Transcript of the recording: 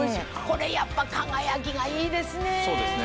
これやっぱ輝きがいいですね。